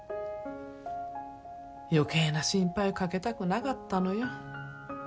余計な心配かけたくなかったのよ。